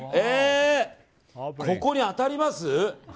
ここに当たります？